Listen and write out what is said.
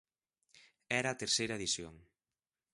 Era a terceira edición.